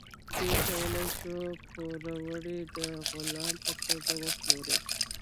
دوی کولی شول پوروړی د غلام په توګه وپلوري.